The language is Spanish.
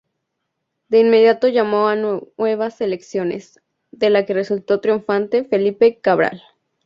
De inmediato llamó a nuevas elecciones, de la que resultó triunfante Felipe Cabral.